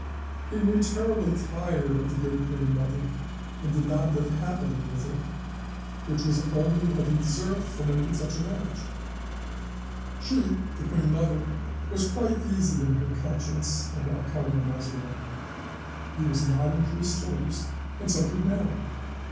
He grew terribly tired of the good queen mother, and did not live happily with her, which was only what he deserved for making such a marriage" (Letter of the Duchesse d'Orleans, 2nd November 1717). "She (the queen mother) was quite easy in her conscience about Cardinal Mazarin; he was not in priest's orders, and so could marry.